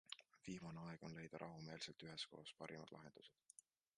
Viimane aeg on leida rahumeelselt üheskoos parimad lahendused!